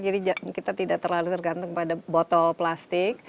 jadi kita tidak terlalu tergantung pada botol plastik